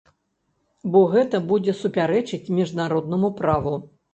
Бо гэта будзе супярэчыць міжнароднаму праву.